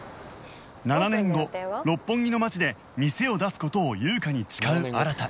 ７年後六本木の街で店を出す事を優香に誓う新